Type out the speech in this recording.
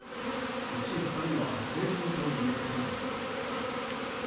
うち２人は成人ということです。